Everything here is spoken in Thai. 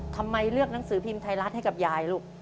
ทำไมเลือกหนังสือพิมพ์ไทยรัฐให้กับยายลูก